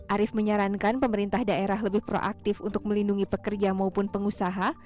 arief menyarankan pemerintah daerah lebih proaktif untuk melindungi pekerja maupun pengusaha